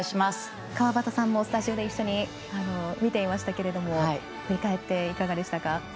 川端さんもスタジオで一緒に見ていましたけれども振り返って、いかがでしたか。